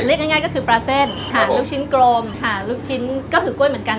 เรียกง่ายก็คือปลาเส้นค่ะลูกชิ้นกลมค่ะลูกชิ้นก็คือกล้วยเหมือนกัน